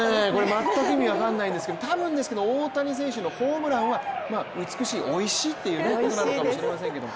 全く意味が分からないですけど多分、大谷選手のホームランは美しい、おいしいってことなのかもしれませんけど。